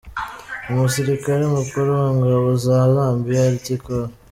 Umusirikare Mukuru mu ngabo za Zambia, Lt Col.